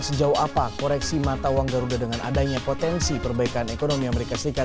sejauh apa koreksi mata uang garuda dengan adanya potensi perbaikan ekonomi amerika serikat